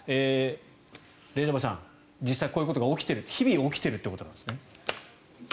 レジャバさん、実際にこういうことが起きている日々起きているということなんですね。